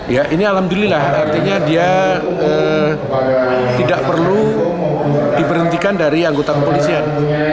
ya ini alhamdulillah artinya dia tidak perlu diberhentikan dari anggota kepolisian